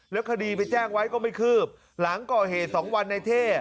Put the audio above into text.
แล้วคดีไปแจ้งไว้ก็ไม่คืบหลังก่อเหตุ๒วันในเท่